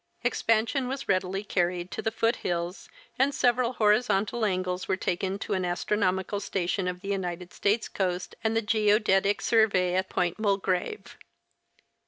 Expansion was readily carried to the foot hills, and several horizontal angles were taken to an astronomical station of the United States Coast and Geodetic Survey at Port Mulgrave.